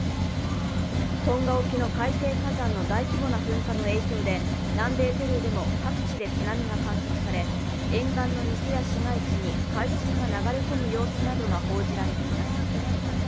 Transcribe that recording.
トンガ沖の海底火山の大規模な噴火の影響で、南米ペルーでも各地で津波が観測され沿岸の店や市街地に海水が流れ込む様子などが報じられています。